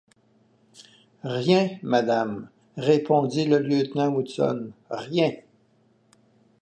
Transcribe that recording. Rien, madame, répondit le lieutenant Hobson, rien.